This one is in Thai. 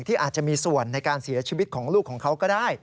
อาจจะมีส่วนในการเสียชีวิตของลูกของเขาก็ได้